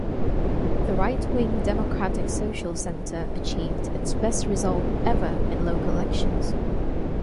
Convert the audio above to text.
The right-wing Democratic Social Center achieved its best result ever in local elections.